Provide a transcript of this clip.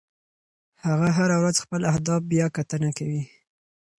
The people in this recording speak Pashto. هغه هره ورځ خپل اهداف بیاکتنه کوي.